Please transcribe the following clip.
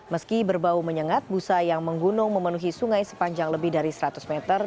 meski berbau menyengat busa yang menggunung memenuhi sungai sepanjang lebih dari seratus meter